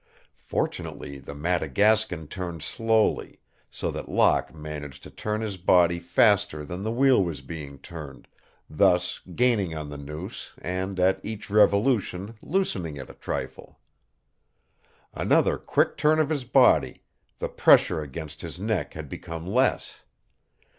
Fortunately the Madagascan turned slowly, so that Locke managed to turn his body faster than the wheel was being turned, thus gaining on the noose and at each revolution loosening it a trifle. Another quick turn of his body, the pressure against his neck had become less!